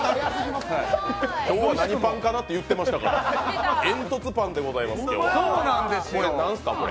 今日は何パンかなって言ってましたから煙突パンでございました、これ何ですか？